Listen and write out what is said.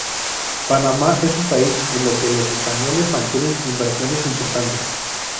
Panamá es un país en el que los españoles mantienen inversiones importantes.